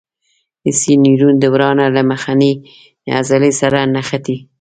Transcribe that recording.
حسي نیورون د ورانه له مخنۍ عضلې سره نښتي.